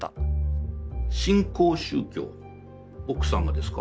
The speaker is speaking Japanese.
新興宗教奥さんがですか？